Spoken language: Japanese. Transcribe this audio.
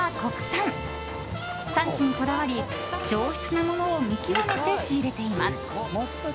産地にこだわり、上質なものを見極めて仕入れています。